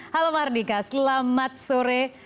halo mardika selamat sore